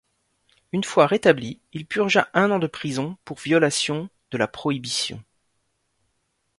Une fois rétabli, il purgea un an de prison pour violation de la Prohibition.